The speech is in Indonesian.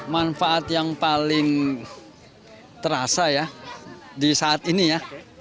manfaat yang paling terasa ya di saat ini ya